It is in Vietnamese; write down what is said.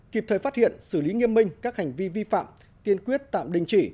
kịp thời phát hiện xử lý nghiêm minh các hành vi vi phạm kiên quyết tạm đình chỉ